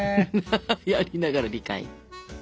やりながら理解。